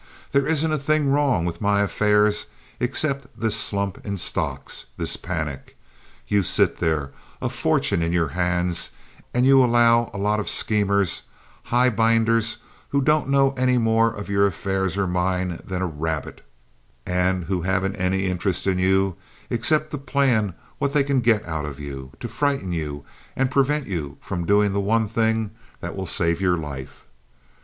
There isn't a thing wrong with my affairs except this slump in stocks—this panic. You sit there, a fortune in your hands, and you allow a lot of schemers, highbinders, who don't know any more of your affairs or mine than a rabbit, and who haven't any interest in you except to plan what they can get out of you, to frighten you and prevent you from doing the one thing that will save your life.